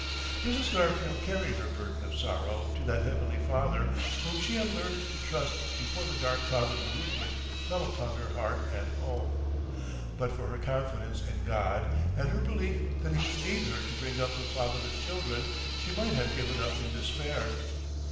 Mrs. Garfield carried her burden of sorrow to that Heavenly Father whom she had learned to trust before the dark cloud of bereavement fell upon her heart and home. But for her confidence in God, and her belief that He would aid her to bring up her fatherless children, she might have given up in despair.